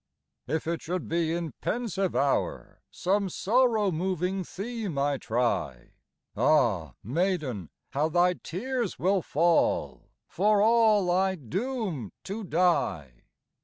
If it should be in pensive hour Some sorrow moving theme I try, Ah, maiden, how thy tears will fall, For all I doom to die!